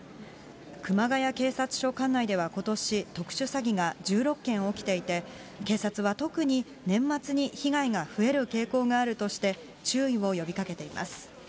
熊谷警察署管内では、ことし、特殊詐欺が１６件起きていて、警察は特に、年末に被害が増える傾向があるとして、注意を呼びかけています。